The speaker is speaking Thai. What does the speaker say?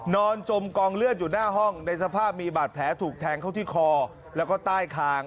จมกองเลือดอยู่หน้าห้องในสภาพมีบาดแผลถูกแทงเข้าที่คอแล้วก็ใต้คาง